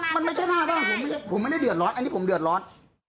มันไม่ใช่หน้าบ้านผมไม่ได้เดือดร้อนอันนี้ผมเดือดร้อน